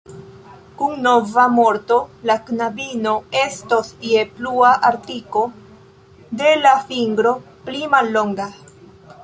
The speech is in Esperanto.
Kun nova morto la knabino estos je plua artiko de la fingro pli mallonga.